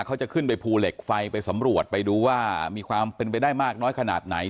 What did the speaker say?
เขาจะขึ้นไปภูเหล็กไฟไปสำรวจไปดูว่ามีความเป็นไปได้มากน้อยขนาดไหน